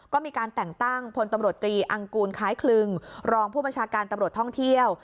ก็มีการแต่งตั้งพลตำรวจตรีอังกูลคล้ายคลึงรองผู้บัญชาการตำรวจท่องเที่ยว